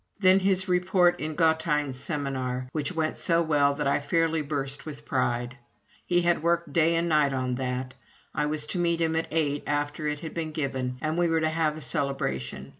Then his report in Gothein's Seminar, which went so well that I fairly burst with pride. He had worked day and night on that. I was to meet him at eight after it had been given, and we were to have a celebration.